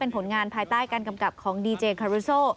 ผลงานภายใต้การกำกับของดีเจคารุโซ